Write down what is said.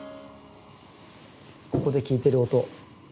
ここで聞いてる音。